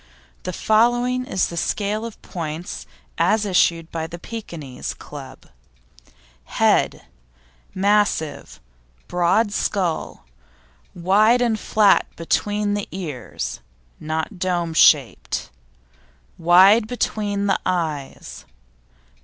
The following is the scale of points as issued by the Pekinese Club: HEAD Massive, broad skull, wide and flat between the ears (not dome shaped); wide between the eyes.